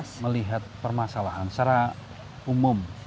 kita melihat permasalahan secara umum